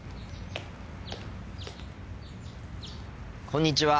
こんにちは。